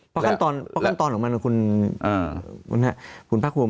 เพราะขั้นตอนของมันคุณพระคุม